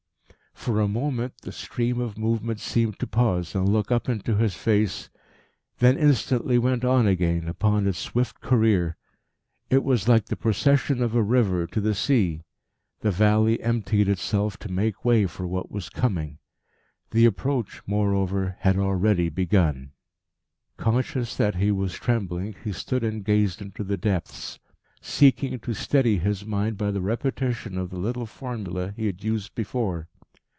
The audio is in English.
For a moment the stream of movement seemed to pause and look up into his face, then instantly went on again upon its swift career. It was like the procession of a river to the sea. The valley emptied itself to make way for what was coming. The approach, moreover, had already begun. Conscious that he was trembling, he stood and gazed into the depths, seeking to steady his mind by the repetition of the little formula he had used before.